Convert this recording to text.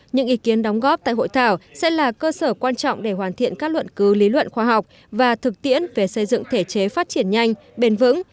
những ý kiến đóng góp tại hội thảo sẽ là cơ sở quan trọng để hoàn thiện các luận cứ lý luận khoa học và thực tiễn về xây dựng thể chế phát triển nhanh bền vững